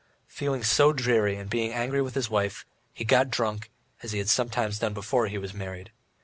Feeling so dreary, and being angry with his wife, he got drunk, as he had sometimes done before he was married.